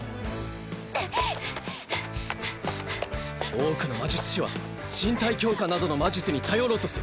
多くの魔術師は身体強化などの魔術に頼ろうとする